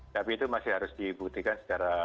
tapi itu masih harus dibuktikan secara